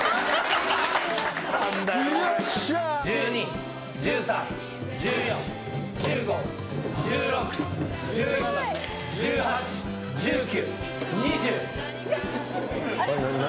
１２１３１４１５１６１７１８１９２０。